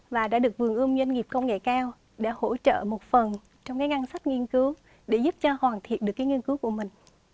và đã được vườn ươm doanh nghiệp công nghệ cao để hỗ trợ một phần trong cái ngăn sách nghiên cứu để giúp cho hoàn thiện được cái nghiên cứu của mình